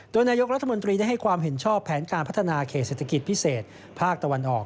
โดยนายกรัฐมนตรีได้ให้ความเห็นชอบแผนการพัฒนาเขตเศรษฐกิจพิเศษภาคตะวันออก